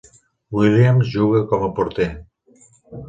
Williams juga com a porter.